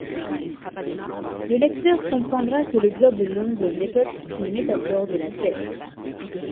Le lecteur comprendra que le Globe-monde n'est autre qu'une métaphore de la Terre.